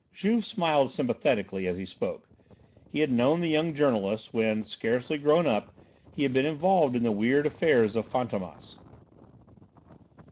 Juve smiled sympathetically as he spoke. He had known the young journalist, when, scarcely grown up, he had been involved in the weird affairs of "Fantômas."